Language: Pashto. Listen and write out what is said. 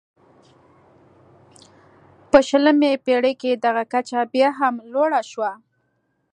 په شلمې پېړۍ کې دغه کچه بیا هم لوړه شوه.